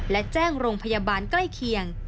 และแจ้งโรงพยาบาลใกล้เคียง